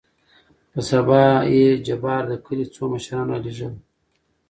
په سبا يې جبار دکلي څو مشران رالېږل.